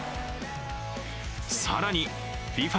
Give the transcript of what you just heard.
更に、ＦＩＦＡ